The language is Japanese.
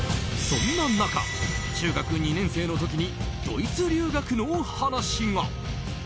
そんな中、中学２年生の時にドイツ留学の話が。